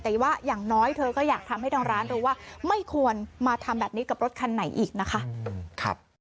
แต่ว่าอย่างน้อยเธอก็อยากทำให้ทางร้านรู้ว่าไม่ควรมาทำแบบนี้กับรถคันไหนอีกนะคะ